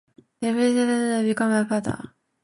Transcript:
Then he may be offered the opportunity to become a partner.